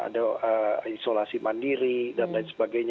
ada isolasi mandiri dan lain sebagainya